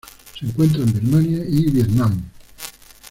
Se encuentra en Birmania y Vietnam.